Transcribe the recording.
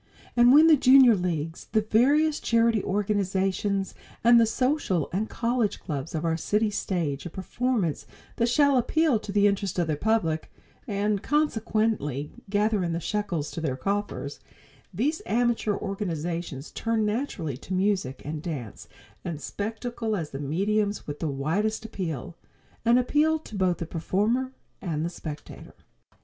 And when the Junior Leagues the various charity organizations and the social and college clubs of our cities stage a performance that shall appeal to the interest of their public, and consequently gather in the shekels to their coffers, these amateur organizations turn naturally to music and dance and spectacle as the mediums with the widest appeal; an appeal to both the performer and the spectator.